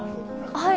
はい？